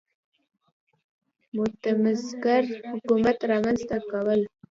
متمرکز حکومت رامنځته کول.